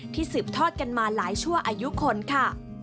สืบทอดกันมาหลายชั่วอายุคนค่ะ